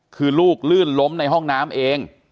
คือลูกลื่นล้มในห้องน้ำเอง